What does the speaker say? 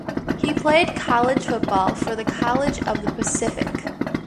He played college football for the College of the Pacific.